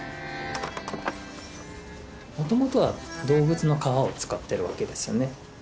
もともとは動物の皮を使ってるわけですよね。